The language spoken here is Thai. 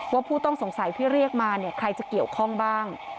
ผู้ต้องสงสัยที่เรียกมาเนี่ยใครจะเกี่ยวข้องบ้าง